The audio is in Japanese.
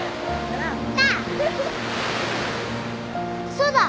そうだ！